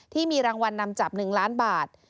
ที่มีรางวัลนำจับ๑ล้านบาท